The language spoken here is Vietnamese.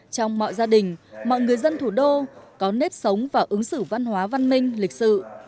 trong mọi gia đình mọi người dân thủ đô có nếp sống và ứng xử văn hóa văn minh lịch sự